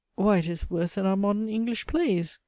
why it is worse than our modern English plays!